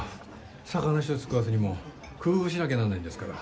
魚ひとつ食わすにも工夫しなきゃなんないんですから。